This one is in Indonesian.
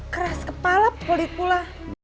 keras kepala pulit pula